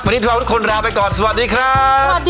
วันนี้เราทุกคนลาไปก่อนสวัสดีครับ